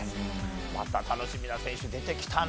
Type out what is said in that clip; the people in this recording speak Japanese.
また楽しみな選手が出てきたね。